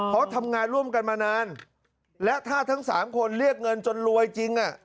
เพราะทำงานร่วมกันมานานและถ้าทั้งสามคนเรียกเงินจนรวยจริง